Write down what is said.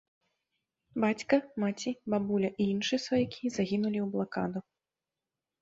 Бацька, маці, бабуля і іншыя сваякі загінулі ў блакаду.